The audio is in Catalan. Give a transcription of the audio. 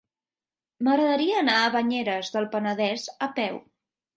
M'agradaria anar a Banyeres del Penedès a peu.